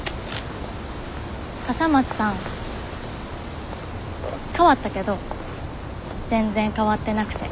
笠松さん変わったけど全然変わってなくて。